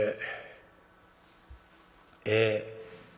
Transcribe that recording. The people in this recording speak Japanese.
ええ」。